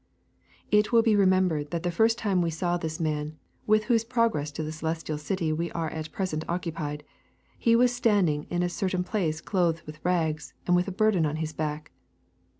It will be remembered that the first time we saw this man, with whose progress to the Celestial City we are at present occupied, he was standing in a certain place clothed with rags and with a burden on his back.